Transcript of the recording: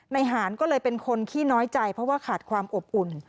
หารก็เลยเป็นคนขี้น้อยใจเพราะว่าขาดความอบอุ่น